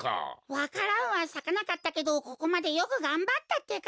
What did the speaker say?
わか蘭はさかなかったけどここまでよくがんばったってか。